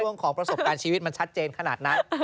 ของประสบการณ์ชีวิตมันชัดเจนขนาดนั้น